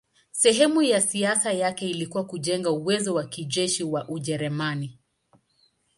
Sehemu ya siasa yake ilikuwa kujenga uwezo wa kijeshi wa Ujerumani.